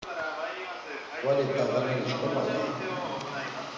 Ǩvali t̆ağaneri şkomarei?